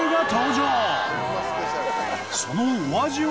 そのお味は？